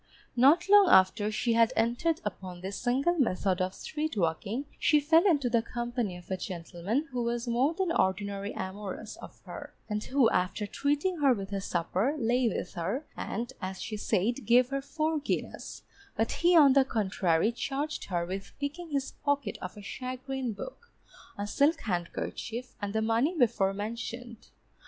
Not long after she had entered upon this single method of street walking, she fell into the company of a gentleman who was more than ordinary amorous of her, and who after treating her with a supper, lay with her, and (as she said) gave her four guineas; but he on the contrary charged her with picking his pocket of a shagreen book, a silk handkerchief, and the money before mentioned.